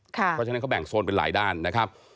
เพราะฉะนั้นเขาแบ่งโซนเป็นหลายด้านนะครับ